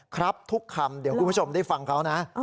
ครับทุกคำเดี๋ยวคุณผู้ชมได้ฟังเขานะ